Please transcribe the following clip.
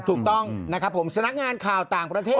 ถูกต้องสนักงานข่าวต่างประเทศ